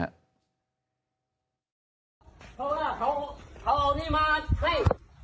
เถอะโชคอีฮะเรานี่มาฮะเว้ย